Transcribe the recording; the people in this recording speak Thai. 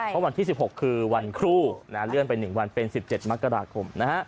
เพราะวันที่๑๖คือวันครูเลื่อนไป๑วันเป็น๑๗มกราคม